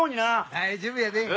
大丈夫やで。